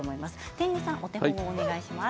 天狗さん、お手本をお願いします。